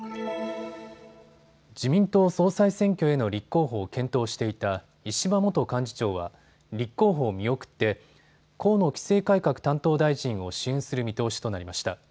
自民党総裁選挙への立候補を検討していた石破元幹事長は立候補を見送って河野規制改革担当大臣を支援する見通しとなりました。